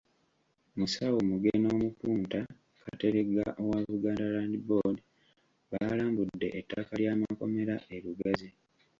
Musawo Muge n'Omupunta Kateregga owa Buganda Land Board baalambudde ettaka ly'amakomera e Lugazi.